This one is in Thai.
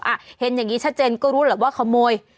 อ่ะเห็นอย่างนี้ชัดเจนก็รู้แหละว่าขโมย